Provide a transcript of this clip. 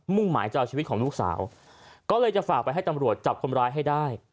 หมายจะเอาชีวิตของลูกสาวก็เลยจะฝากไปให้ตำรวจจับคนร้ายให้ได้